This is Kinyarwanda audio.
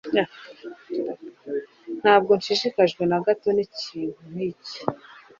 Ntabwo nshishikajwe na gato n'ikintu nk'iki.